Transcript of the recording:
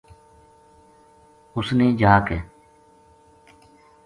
اس نے جا کے